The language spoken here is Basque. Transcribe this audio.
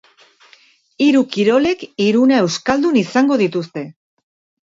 Hiru kirolek hiruna euskaldun izango dituzte.